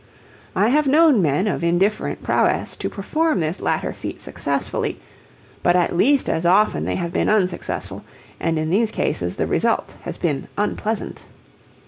I have known men of indifferent prowess to perform this latter feat successfully, but at least as often they have been unsuccessful, and in these cases the result has been unpleasant.